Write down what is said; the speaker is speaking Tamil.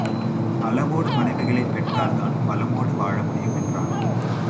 அளவோடு மனைவிகளைப் பெற்றால்தான் வளமோடு வாழ முடியும் என்றான்.